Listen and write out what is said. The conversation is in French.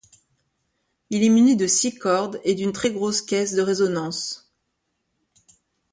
Il est muni de six cordes et d'une très grosse caisse de résonance.